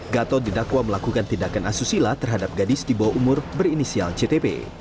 gatot didakwa melakukan tindakan asusila terhadap gadis di bawah umur berinisial ctp